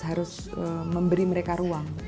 harus memberi mereka ruang